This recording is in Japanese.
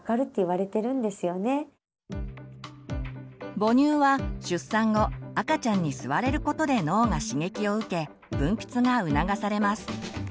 母乳は出産後赤ちゃんに吸われることで脳が刺激を受け分泌が促されます。